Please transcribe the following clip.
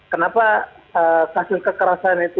kenapa kasus kekerasan itu